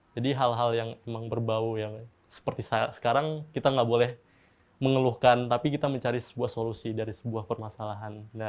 jadi hal hal yang memang berbau seperti sekarang kita nggak boleh mengeluhkan tapi kita mencari sebuah solusi dari sebuah permasalahan